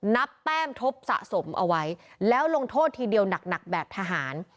แต้มทบสะสมเอาไว้แล้วลงโทษทีเดียวหนักแบบทหาร